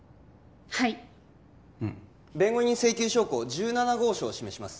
はい弁護人請求証拠１７号証を示します